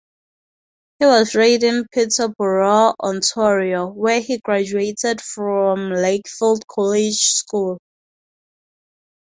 He was raised in Peterborough, Ontario, where he graduated from Lakefield College School.